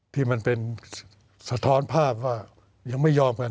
ที่มันเป็นสะท้อนภาพว่ายังไม่ยอมกัน